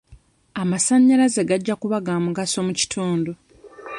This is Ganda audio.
Amasannyalaze gajja kuba ga mugaso mu kitundu.